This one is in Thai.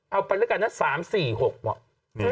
เอาไปแล้วกันนะ๓๔๖ว่ะ